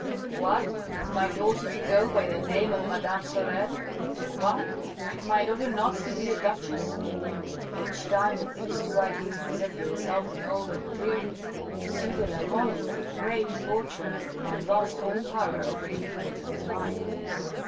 " What ! is my daughter to go by the name of madame Sorel ? What ! is my daughter not to be a duchess ?" Each time that these two ideas presented themselves in all their clearness M. de la Mole was a prey to torture, and lost all power over the movements of his mind.